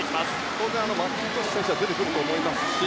当然マッキントッシュ選手は出てくると思いますし